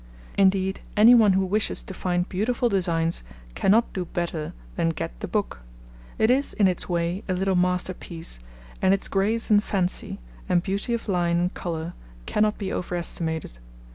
Indeed, any one who wishes to find beautiful designs cannot do better than get the book. It is, in its way, a little masterpiece, and its grace and fancy, and beauty of line and colour, cannot be over estimated.